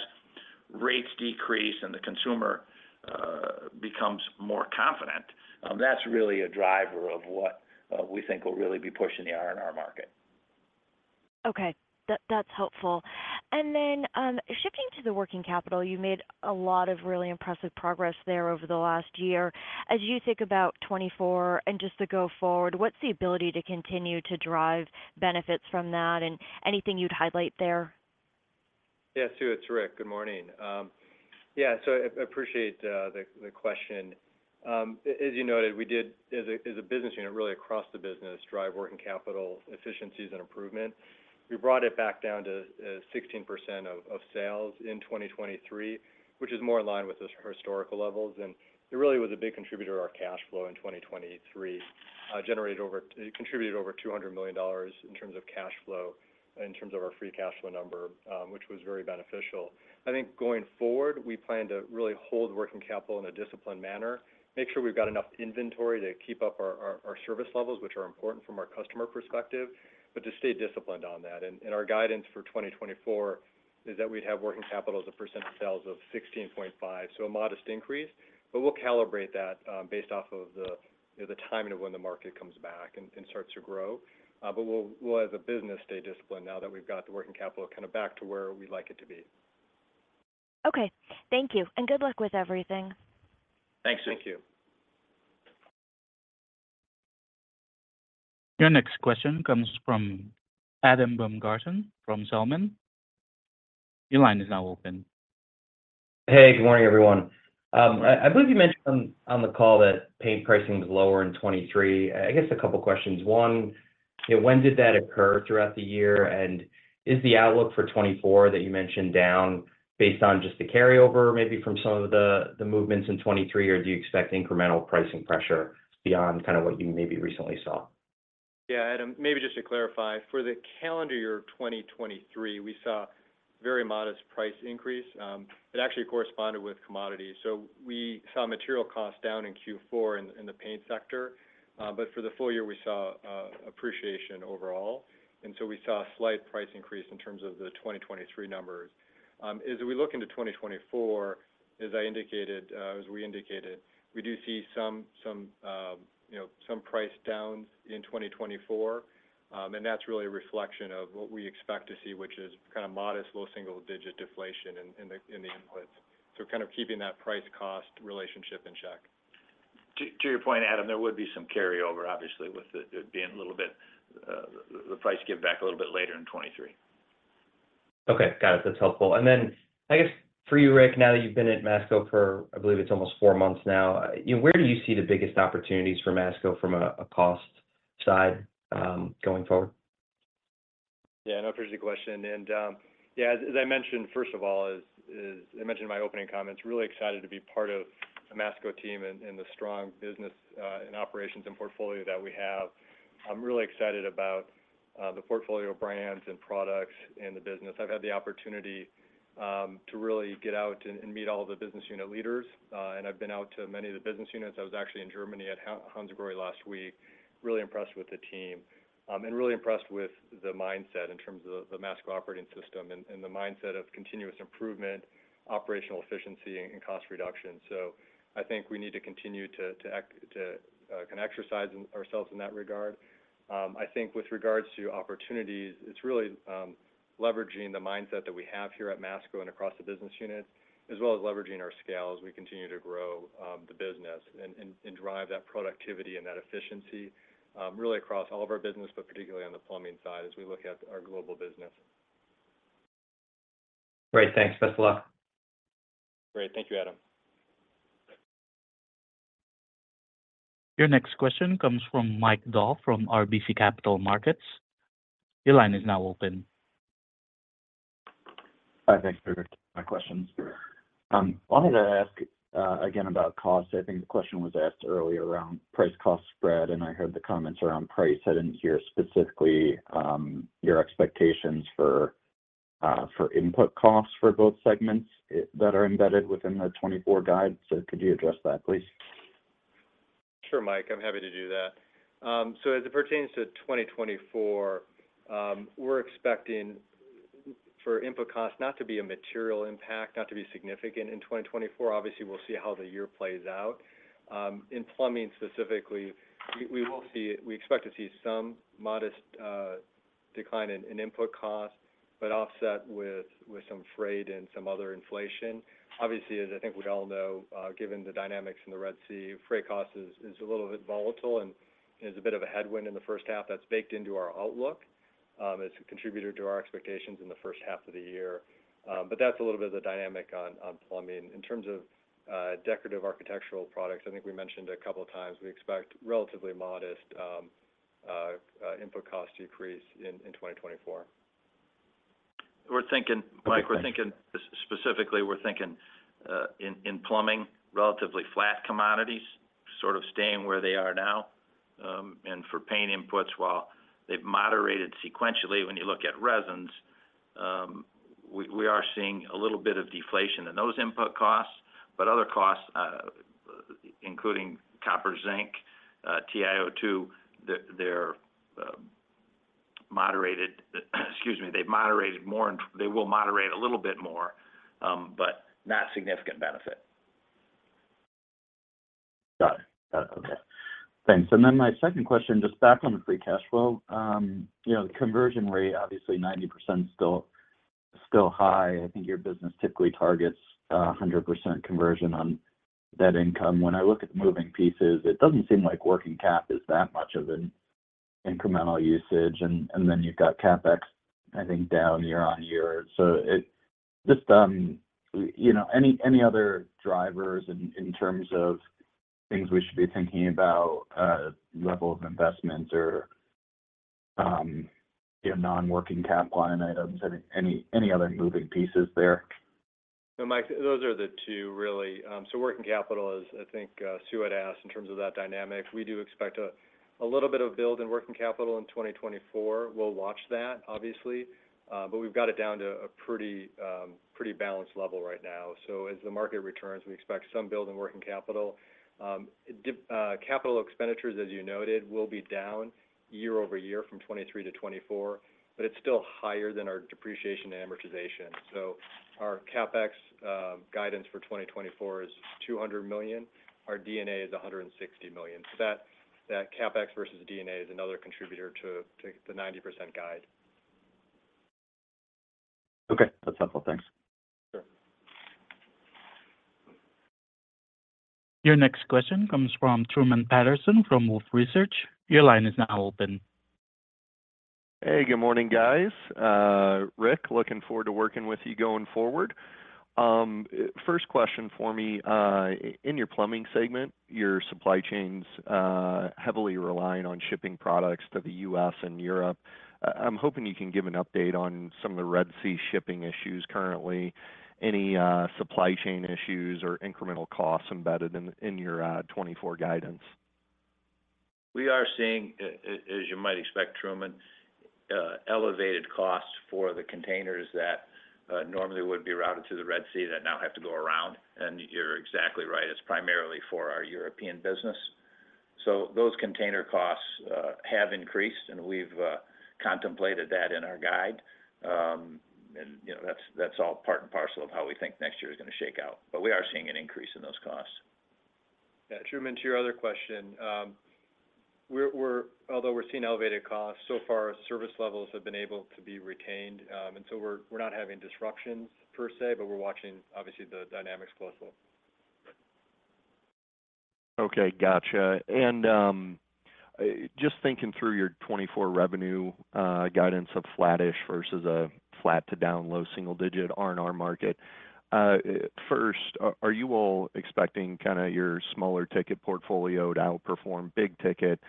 rates decrease and the consumer becomes more confident, that's really a driver of what we think will really be pushing the R&R market. Okay, that, that's helpful. And then, shifting to the working capital, you made a lot of really impressive progress there over the last year. As you think about 2024 and just to go forward, what's the ability to continue to drive benefits from that? And anything you'd highlight there? Yeah, Sue, it's Rick. Good morning. Yeah, so I appreciate the question. As you noted, we did, as a business unit, really across the business, drive working capital efficiencies and improvement. We brought it back down to 16% of sales in 2023, which is more in line with the historical levels, and it really was a big contributor to our cash flow in 2023. It contributed over $200 million in terms of cash flow, in terms of our free cash flow number, which was very beneficial. I think going forward, we plan to really hold working capital in a disciplined manner, make sure we've got enough inventory to keep up our service levels, which are important from our customer perspective, but to stay disciplined on that. Our guidance for 2024 is that we'd have working capital as a percent of sales of 16.5%. So a modest increase, but we'll calibrate that, based off of the, you know, the timing of when the market comes back and starts to grow. But we'll, as a business, stay disciplined now that we've got the working capital kind of back to where we'd like it to be. Okay. Thank you, and good luck with everything. Thanks, Sue. Thank you. Your next question comes from Adam Baumgarten from Zelman. Your line is now open. Hey, good morning, everyone. I believe you mentioned on the call that paint pricing was lower in 2023. I guess a couple questions. One, you know, when did that occur throughout the year? And is the outlook for 2024 that you mentioned down based on just the carryover, maybe from some of the movements in 2023, or do you expect incremental pricing pressure beyond kind of what you maybe recently saw? Yeah, Adam, maybe just to clarify, for the calendar year of 2023, we saw very modest price increase. It actually corresponded with commodities. So we saw material costs down in Q4 in the paint sector, but for the full year, we saw appreciation overall, and so we saw a slight price increase in terms of the 2023 numbers. As we look into 2024, as I indicated, as we indicated, we do see some you know, some price downs in 2024, and that's really a reflection of what we expect to see, which is kind of modest, low single-digit deflation in the inputs. So kind of keeping that price-cost relationship in check. To your point, Adam, there would be some carryover, obviously, with the being a little bit the price give back a little bit later in 2023. Okay. Got it. That's helpful. And then, I guess for you, Rick, now that you've been at Masco for, I believe it's almost four months now, where do you see the biggest opportunities for Masco from a, a cost side, going forward? Yeah, no, appreciate the question. And as I mentioned, first of all, as I mentioned in my opening comments, really excited to be part of the Masco team and the strong business and operations and portfolio that we have. I'm really excited about the portfolio of brands and products in the business. I've had the opportunity to really get out and meet all the business unit leaders and I've been out to many of the business units. I was actually in Germany at Hansgrohe last week. Really impressed with the team and really impressed with the mindset in terms of the Masco Operating System and the mindset of continuous improvement, operational efficiency and cost reduction. So I think we need to continue to kind of exercise ourselves in that regard. I think with regards to opportunities, it's really leveraging the mindset that we have here at Masco and across the business units, as well as leveraging our scale as we continue to grow the business and drive that productivity and that efficiency really across all of our business, but particularly on the plumbing side as we look at our global business. Great. Thanks. Best of luck. Great. Thank you, Adam. Your next question comes from Mike Dahl from RBC Capital Markets. Your line is now open. Hi, thanks for taking my questions. I wanted to ask again about costs. I think the question was asked earlier around price-cost spread, and I heard the comments around price. I didn't hear specifically your expectations for input costs for both segments that are embedded within the 2024 guide. So could you address that, please? Sure, Mike. I'm happy to do that. So as it pertains to 2024, we're expecting for input costs not to be a material impact, not to be significant in 2024. Obviously, we'll see how the year plays out. In plumbing specifically, we expect to see some modest decline in input costs, but offset with some freight and some other inflation. Obviously, as I think we all know, given the dynamics in the Red Sea, freight cost is a little bit volatile and is a bit of a headwind in the first half that's baked into our outlook, as a contributor to our expectations in the first half of the year. But that's a little bit of the dynamic on plumbing. In terms of decorative architectural products, I think we mentioned a couple of times, we expect relatively modest input cost decrease in 2024. We're thinking- Thanks. Mike, we're thinking, specifically, in plumbing, relatively flat commodities, sort of staying where they are now. And for paint inputs, while they've moderated sequentially, when you look at resins, we are seeing a little bit of deflation in those input costs. But other costs, including copper, zinc, TiO₂, they're moderated, excuse me, they moderated more and they will moderate a little bit more, but not significant benefit. Got it. Got it. Okay. Thanks. And then my second question, just back on the free cash flow. You know, the conversion rate, obviously 90% is still, still high. I think your business typically targets 100% conversion on that income. When I look at the moving pieces, it doesn't seem like working cap is that much of an incremental usage, and then you've got CapEx, I think, down year on year. So it just, you know, any other drivers in terms of things we should be thinking about, level of investment or, you know, non-working cap line items, any other moving pieces there? No, Mike, those are the two, really. So working capital is, I think, Sue had asked in terms of that dynamic. We do expect a little bit of build in working capital in 2024. We'll watch that, obviously, but we've got it down to a pretty, pretty balanced level right now. So as the market returns, we expect some build in working capital. Capital expenditures, as you noted, will be down year-over-year from 2023 to 2024, but it's still higher than our depreciation and amortization. So our CapEx guidance for 2024 is $200 million. Our D&A is $160 million. So that, that CapEx versus D&A is another contributor to, to the 90% guide. Okay, that's helpful. Thanks. Sure. Your next question comes from Truman Patterson from Wolfe Research. Your line is now open. Hey, good morning, guys. Rick, looking forward to working with you going forward. First question for me, in your plumbing segment, your supply chain's heavily relying on shipping products to the U.S. and Europe. I'm hoping you can give an update on some of the Red Sea shipping issues currently, any supply chain issues or incremental costs embedded in your 2024 guidance. We are seeing, as you might expect, Truman, elevated costs for the containers that normally would be routed through the Red Sea that now have to go around. You're exactly right, it's primarily for our European business. Those container costs have increased, and we've contemplated that in our guide. You know, that's all part and parcel of how we think next year is gonna shake out. We are seeing an increase in those costs. Yeah, Truman, to your other question, although we're seeing elevated costs, so far, service levels have been able to be retained. And so we're not having disruptions per se, but we're watching, obviously, the dynamics closely. Okay, gotcha. And just thinking through your 2024 revenue guidance of flattish versus a flat to down low single-digit R&R market, first, are you all expecting kinda your smaller ticket portfolio to outperform big ticket?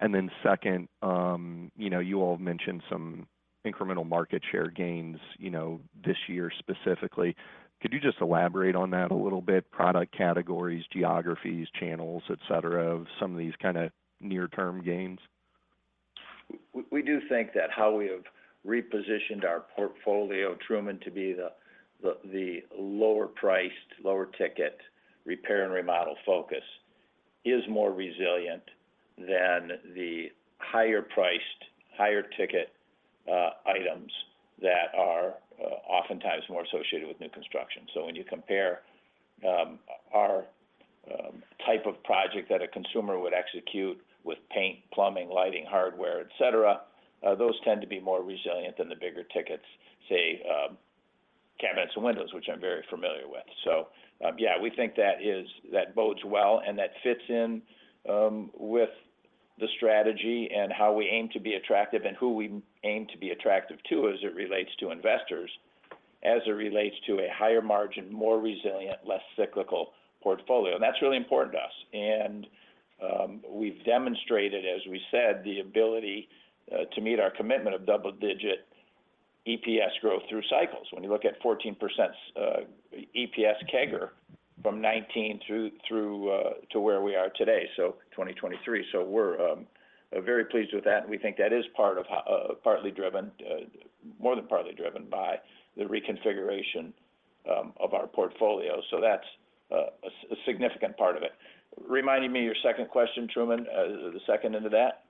And then second, you know, you all mentioned some incremental market share gains, you know, this year specifically. Could you just elaborate on that a little bit? Product categories, geographies, channels, et cetera, of some of these kinda near-term gains. We do think that how we have repositioned our portfolio, Truman, to be the lower priced, lower ticket repair and remodel focus is more resilient than the higher priced, higher ticket items that are oftentimes more associated with new construction. So when you compare our type of project that a consumer would execute with paint, plumbing, lighting, hardware, et cetera, those tend to be more resilient than the bigger tickets, say, cabinets and windows, which I'm very familiar with. So yeah, we think that that bodes well, and that fits in with the strategy and how we aim to be attractive and who we aim to be attractive to, as it relates to investors, as it relates to a higher margin, more resilient, less cyclical portfolio. And that's really important to us. We've demonstrated, as we said, the ability to meet our commitment of double-digit EPS growth through cycles. When you look at 14% EPS CAGR from 2019 through to where we are today, so 2023. So we're very pleased with that, and we think that is partly driven, more than partly driven by the reconfiguration of our portfolio. So that's a significant part of it. Reminding me, your second question, Truman, the second end of that?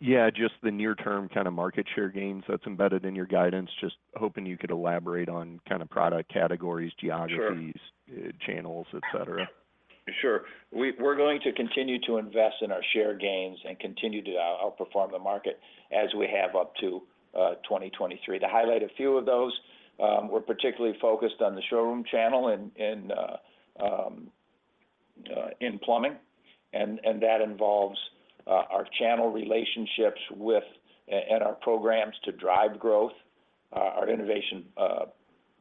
Yeah, just the near-term kind of market share gains that's embedded in your guidance. Just hoping you could elaborate on kind of product categories, geographies- Sure. channels, et cetera. Sure. We're going to continue to invest in our share gains and continue to outperform the market as we have up to 2023. To highlight a few of those, we're particularly focused on the showroom channel and in plumbing. That involves our channel relationships with and our programs to drive growth. Our innovation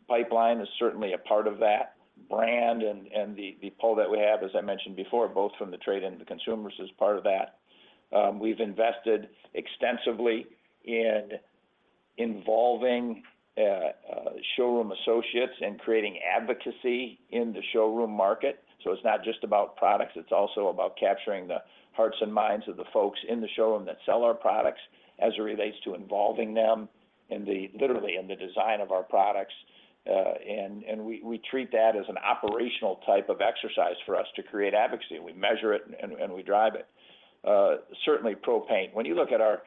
pipeline is certainly a part of that brand, and the pull that we have, as I mentioned before, both from the trade and the consumers, is part of that. We've invested extensively in involving showroom associates and creating advocacy in the showroom market. So it's not just about products, it's also about capturing the hearts and minds of the folks in the showroom that sell our products, as it relates to involving them in the-- literally, in the design of our products. And we treat that as an operational type of exercise for us to create advocacy. We measure it and we drive it. Certainly Pro Paint. When you look at our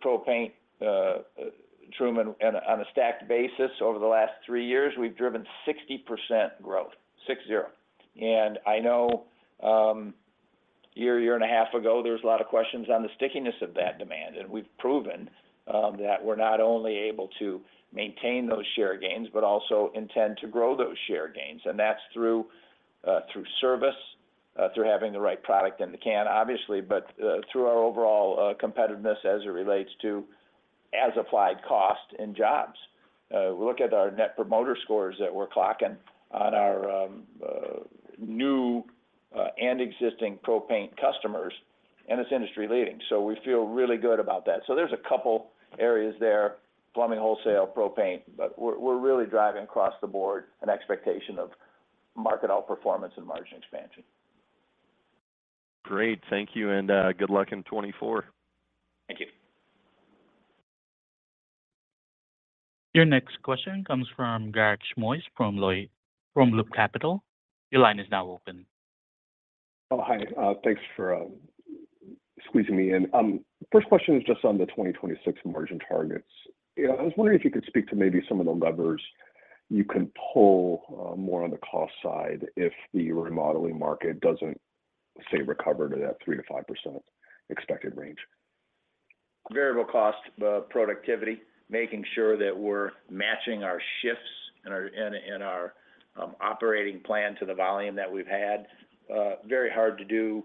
Pro Paint, Truman, on a stacked basis over the last three years, we've driven 60% growth, 60. And I know, a year and a half ago, there was a lot of questions on the stickiness of that demand, and we've proven, that we're not only able to maintain those share gains, but also intend to grow those share gains. And that's through service, through having the right product in the can, obviously, but through our overall competitiveness as it relates to as-applied cost and jobs. We look at our net promoter scores that we're clocking on our new and existing Pro Paint customers, and it's industry-leading, so we feel really good about that. So there's a couple areas there, plumbing, wholesale, propane, but we're really driving across the board an expectation of market outperformance and margin expansion. Great. Thank you, and, good luck in 2024. Thank you. Your next question comes from Garik Shmois, from Loop Capital. Your line is now open. Oh, hi. Thanks for squeezing me in. First question is just on the 2026 margin targets. You know, I was wondering if you could speak to maybe some of the levers you can pull, more on the cost side if the remodeling market doesn't, say, recover to that 3% to 5% expected range. Variable cost productivity, making sure that we're matching our shifts and our operating plan to the volume that we've had. Very hard to do.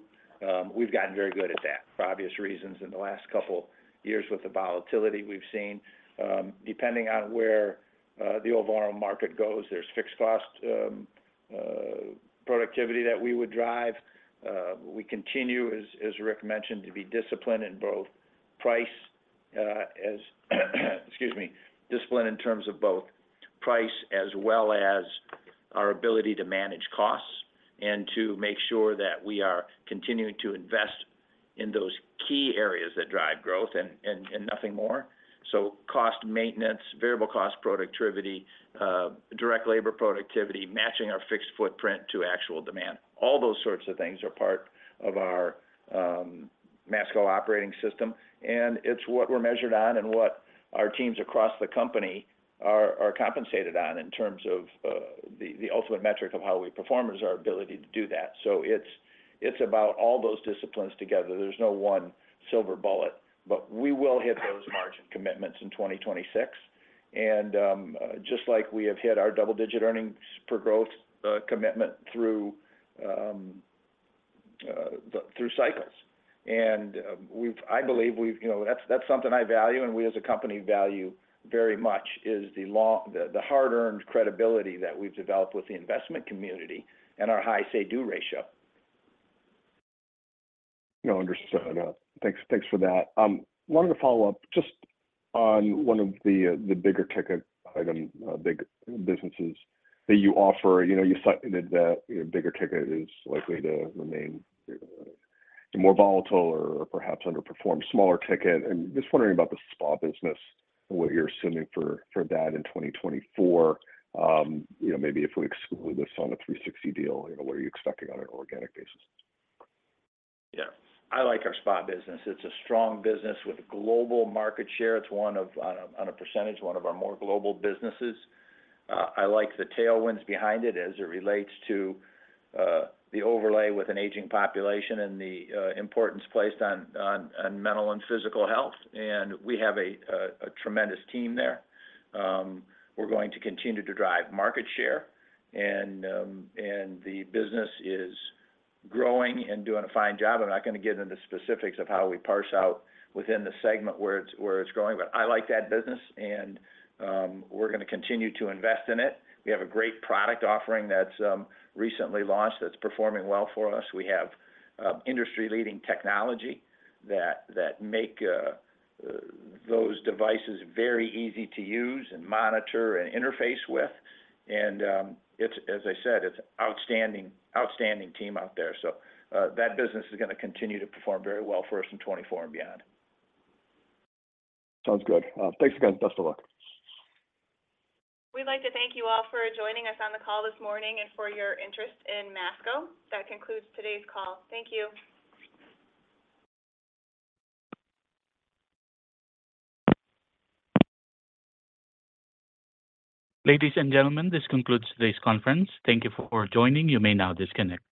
We've gotten very good at that for obvious reasons in the last couple years with the volatility we've seen. Depending on where the overall market goes, there's fixed cost productivity that we would drive. We continue, as Rick mentioned, to be disciplined in terms of both price as well as our ability to manage costs and to make sure that we are continuing to invest in those key areas that drive growth and nothing more. So cost maintenance, variable cost productivity, direct labor productivity, matching our fixed footprint to actual demand. All those sorts of things are part of our Masco Operating System, and it's what we're measured on and what our teams across the company are compensated on in terms of the ultimate metric of how we perform is our ability to do that. So it's about all those disciplines together. There's no one silver bullet, but we will hit those margin commitments in 2026. And just like we have hit our double-digit earnings per growth commitment through the cycles. And I believe we've. You know, that's something I value, and we, as a company, value very much is the hard-earned credibility that we've developed with the investment community and our high say-do ratio. No, understood. Thanks, thanks for that. Wanted to follow up just on one of the bigger ticket item, big businesses that you offer. You know, you cited that, you know, bigger ticket is likely to remain more volatile or perhaps underperform smaller ticket. And just wondering about the spa business and what you're assuming for that in 2024. You know, maybe if we exclude the Sauna360 deal, you know, what are you expecting on an organic basis? Yeah. I like our spa business. It's a strong business with a global market share. It's one of, on a percentage, one of our more global businesses. I like the tailwinds behind it as it relates to the overlay with an aging population and the importance placed on mental and physical health. And we have a tremendous team there. We're going to continue to drive market share, and the business is growing and doing a fine job. I'm not gonna get into specifics of how we parse out within the segment where it's growing, but I like that business, and we're gonna continue to invest in it. We have a great product offering that's recently launched, that's performing well for us. We have industry-leading technology that make those devices very easy to use and monitor and interface with. And, as I said, it's outstanding team out there. So, that business is gonna continue to perform very well for us in 2024 and beyond. Sounds good. Thanks again. Best of luck. We'd like to thank you all for joining us on the call this morning and for your interest in Masco. That concludes today's call. Thank you. Ladies and gentlemen, this concludes today's conference. Thank you for joining. You may now disconnect.